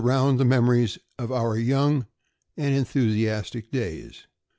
round the memories of oar young and enthusiastic days.